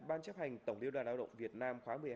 ban chấp hành tổng liêu đoàn đạo động việt nam khóa một mươi hai